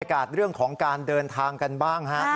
อากาศเรื่องของการเดินทางกันบ้างฮะ